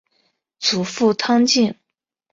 祖父汤敬。